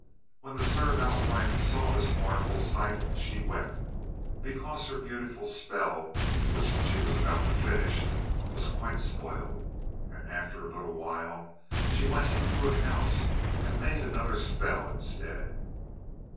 When the Stir about Wife saw this mournful sight she wept, because her beautiful spell, which she was about to finish, was quite spoiled. And after a little while she went into her house and made another spell instead.